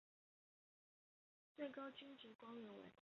最高军职官员为。